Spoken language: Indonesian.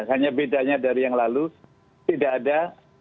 hanya bedanya dari yang lalu tidak ada